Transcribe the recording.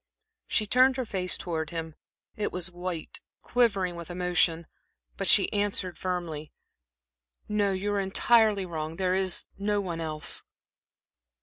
She turned her face towards him. It was white, quivering with emotion; but she answered firmly: "No, you are entirely wrong. There is no one else."